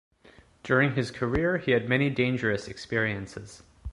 During his career he had many dangerous experiences.